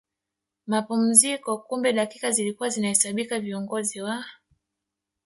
mapumziko Kumbe dakika zilikuwa zinahesabika viongozi wa